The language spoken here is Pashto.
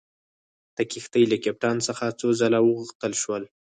د کښتۍ له کپټان څخه څو ځله وغوښتل شول.